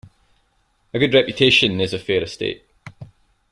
A good reputation is a fair estate.